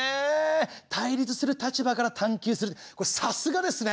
対立する立場から探究するさすがですね。